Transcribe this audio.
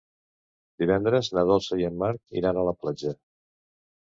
Divendres na Dolça i en Marc iran a la platja.